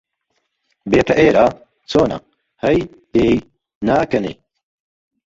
بێتە ئێرە، چۆنە هەی دێی ناکەنێ!؟